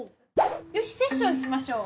よしセッションしましょう！